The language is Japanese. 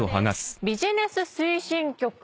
ビジネス推進局。